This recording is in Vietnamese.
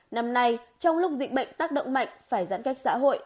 năm nay trong lúc dịch bệnh tác động mạnh phải giãn cách xã hội